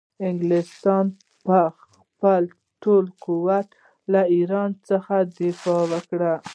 انګلستان به په خپل ټول قوت له ایران څخه دفاع کوي.